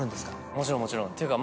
もちろんもちろんっていうか